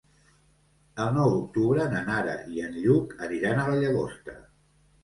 El nou d'octubre na Nara i en Lluc aniran a la Llagosta.